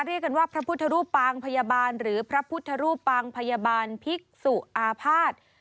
เรียกกันว่าพระพุทธรูปปางพยาบาลหรือพระพุทธรูปปางพยาบาลภิกษุอาภาษณ์